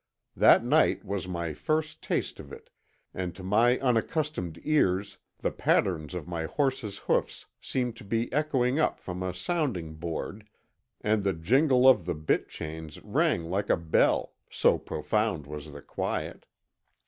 That night was my first taste of it, and to my unaccustomed ears the patter of my horse's hoofs seemed to be echoing up from a sounding board, and the jingle of the bit chains rang like a bell, so profound was the quiet.